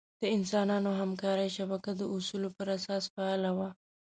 د انسانانو همکارۍ شبکه د اصولو پر اساس فعاله وه.